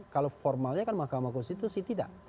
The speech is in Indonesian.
kalau formalnya kan mahkamah konstitusi tidak